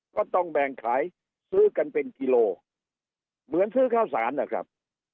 ก็ต้องแบ่งขายซื้อกันเป็นกิโลเหมือนซื้อข้าวสารนะครับ